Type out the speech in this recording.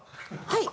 はい。